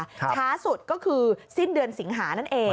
ช้าสุดก็คือสิ้นเดือนสิงหานั่นเอง